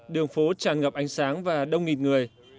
đường phố tràn ngập ánh sáng và đông nghịt người